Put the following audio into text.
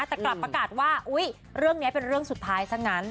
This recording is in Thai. แต่กลับประกาศว่าอุ๊ยเรื่องนี้เป็นเรื่องสุดท้ายซะงั้น